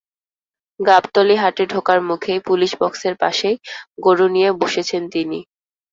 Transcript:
গাবতলী হাটে ঢোকার মুখেই পুলিশ বক্সের পাশেই গরু নিয়ে বসেছেন তিনি।